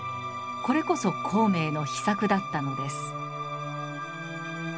これこそ孔明の秘策だったのです。